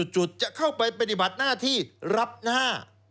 จุดจะเข้าไปปฏิบัติหน้าที่รับหน้า